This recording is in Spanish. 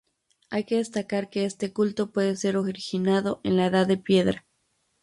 Hay que destacar que este culto puede ser originado en la edad de piedra.